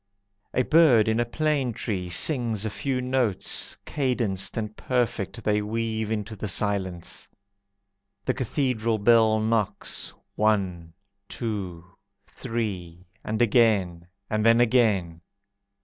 A bird in a plane tree Sings a few notes, Cadenced and perfect They weave into the silence. The Cathedral bell knocks, One, two, three, and again, And then again.